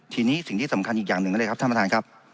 ทีนี้สิ่งที่สำคัญอีกอย่างหนึ่งก็เลยครับท่านประธานครับ